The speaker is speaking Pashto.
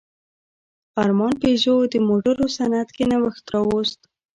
ارمان پيژو د موټرو صنعت کې نوښت راوست.